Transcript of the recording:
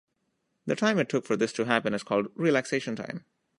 The time it took for this to happen is called relaxation time.